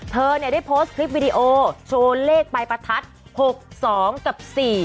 เธอเนี่ยได้โพสต์คลิปวิดีโอโชว์เลขปลายประทัด๖๒กับ๔